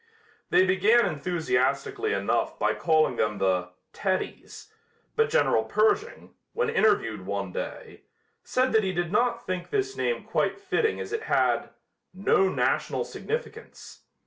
They began enthusiastically enough by calling them the "Teddies," but General Pershing, when interviewed one day, said that he did not think this name quite fitting as it had "no national significance."